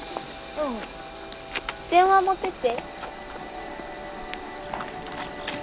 うん電話持ってって。